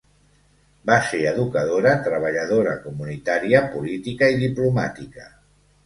Va ser educadora, treballadora comunitària, política i diplomàtica.